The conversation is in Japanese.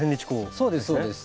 そうですそうです。